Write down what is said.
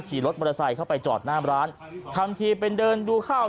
ขี่รถมอเตอร์ไซค์เข้าไปจอดหน้ามร้านทำทีเป็นเดินดูข้าว